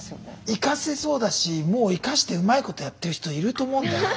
生かせそうだしもう生かしてうまいことやってる人いると思うんだよな。